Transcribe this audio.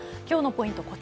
今日のポイント